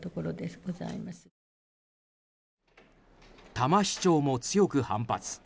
多摩市長も強く反発。